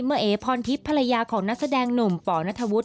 เอ๋พรทิพย์ภรรยาของนักแสดงหนุ่มปนัทวุฒิ